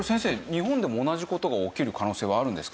日本でも同じ事が起きる可能性はあるんですか？